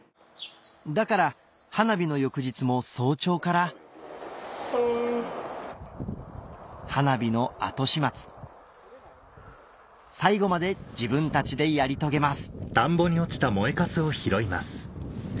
だから花火の翌日も早朝から花火の後始末最後まで自分たちでやり遂げます